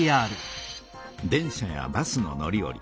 電車やバスの乗りおり。